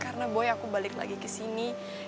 karena boy aku balik lagi kesini